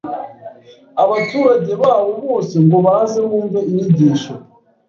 abaturage bawo bose ngo baze bumve inyigisho